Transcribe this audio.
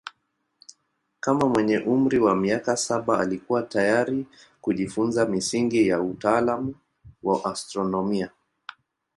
Kama mwenye umri wa miaka saba alikuwa tayari kujifunza misingi ya utaalamu wa astronomia.